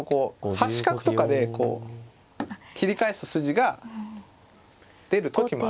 端角とかで切り返す筋が出る時もありますね。